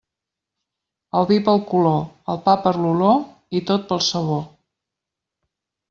El vi pel color, el pa per l'olor, i tot pel sabor.